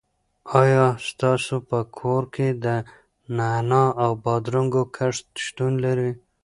آیا ستاسو په کور کې د نعناع او بادرنګو کښت شتون لري؟